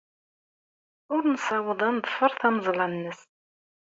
Ur nessaweḍ ad neḍfer tameẓla-nnes.